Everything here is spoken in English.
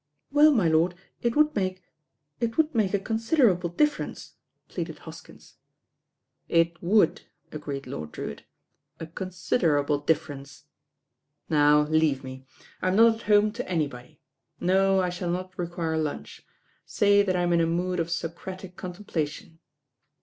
"Well, my lord, it would make — ^it would make a considerable difference," pleaded Hoskins. "It would," agreed Lord Drewitt, "a consider able difference. Now, leave me. I'm not at home to anybody. No, I shall not require lunch. Say that I am in a mood of Socratic contemplation."